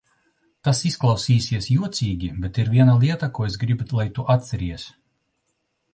Tas izklausīsies jocīgi, bet ir viena lieta, ko es gribu, lai tu atceries.